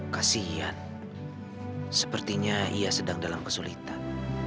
kasian sepertinya ia sedang dalam kesulitan